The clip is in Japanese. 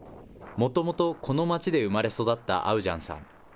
もともとこの町で生まれ育ったアウジャンさん。